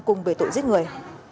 cùng với tội giết người